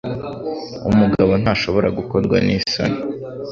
Umugabo ntashobora gukorwa ni soni